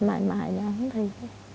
mãi mãi là không tin